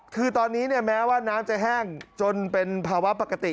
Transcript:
คือตอนนี้แม้ว่าน้ำจะแห้งจนเป็นภาวะปกติ